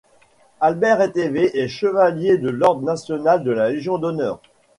Albert Étévé est chevalier de l'ordre national de la Légion d'honneur.